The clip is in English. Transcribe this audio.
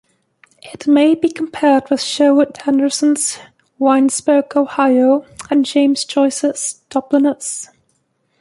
It may be compared with Sherwood Anderson's "Winesburg, Ohio" and James Joyce's "Dubliners".